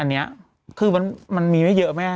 อันนี้คือมันมีไม่เยอะแม่